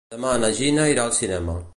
Demà na Gina irà al cinema.